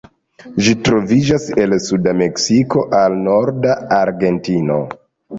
Ĝi troviĝas el suda Meksiko al norda Argentino.